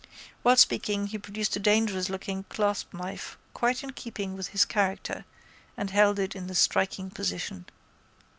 Whilst speaking he produced a dangerouslooking claspknife quite in keeping with his character and held it in the striking position.